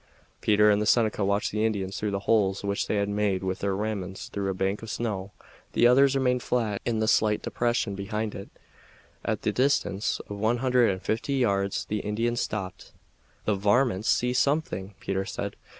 Peter and the Seneca watched the Indians through holes which they had made with their ramrods through a bank of snow. The others remained flat in the slight depression behind it. At the distance of one hundred and fifty yards the Indians stopped. "The varmints see something!" Peter said.